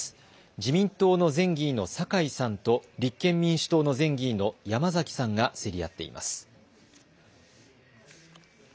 自民党の前議員の坂井さんと立憲民主党の前議員の山崎さんが競り合っています。